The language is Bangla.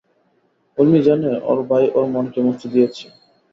ঊর্মি জানে, ওর ভাই ওর মনকে মুক্তি দিয়েছে।